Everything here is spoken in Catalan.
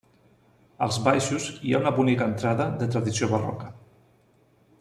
Als baixos hi ha una bonica entrada de tradició barroca.